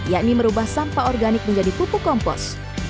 yakni merubah sampah organik menjadi pupuk kompos